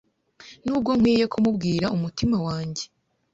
Nubwo nkwiye kumubwira umutima wanjye